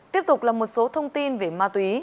tiếp tục là một số thông tin về ma túy